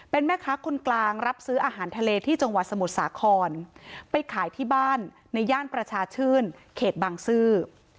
เป็นแม่ค้าคนกลางรับซื้ออาหารทะเลที่จังหวัดสมุทรสาครไปขายที่บ้านในย่านประชาชื่นเขตบางซื่อ